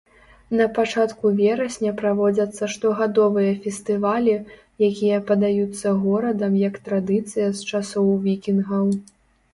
Напачатку верасня праводзяцца штогадовыя фестывалі, якія падаюцца горадам як традыцыя з часоў вікінгаў.